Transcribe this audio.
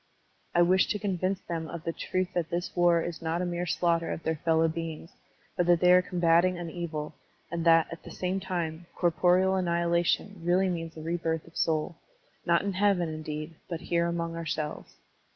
I wished to convince them of the truths that this war is not a mere slaughter of their fellow beings, but that they are combating an evil, and that, at the same time, corporeal annihilation really means a rebirth of soul, not in heaven, indeed, but here among ourselves.